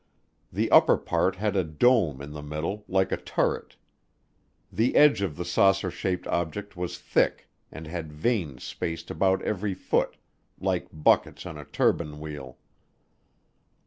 The upper part had a dome in the middle, like a turret. The edge of the saucer shaped object was thick and had vanes spaced about every foot, like buckets on a turbine wheel.